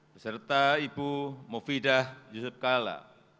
beserta ibu mufidah yusuf kala